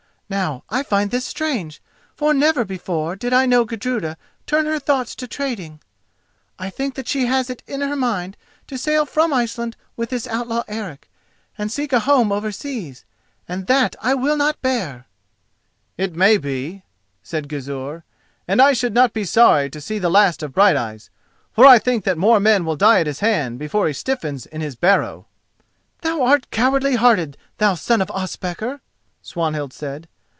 Now I find this strange, for never before did I know Gudruda turn her thoughts to trading. I think that she has it in her mind to sail from Iceland with this outlaw Eric, and seek a home over seas, and that I will not bear." "It may be," said Gizur, "and I should not be sorry to see the last of Brighteyes, for I think that more men will die at his hand before he stiffens in his barrow." "Thou art cowardly hearted, thou son of Ospakar!" Swanhild said.